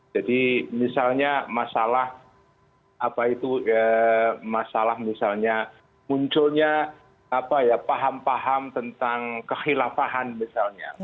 jadi misalnya masalah apa itu ya masalah misalnya munculnya apa ya paham paham tentang kekhilafahan misalnya